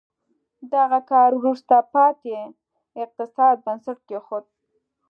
دغه کار وروسته پاتې اقتصاد بنسټ کېښود.